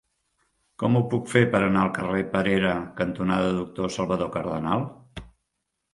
Com ho puc fer per anar al carrer Perera cantonada Doctor Salvador Cardenal?